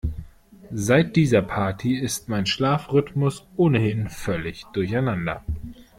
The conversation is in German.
Seit dieser Party ist mein Schlafrhythmus ohnehin völlig durcheinander.